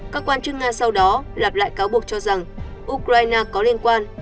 các quan chức nga sau đó lặp lại cáo buộc cho rằng ukraine có liên quan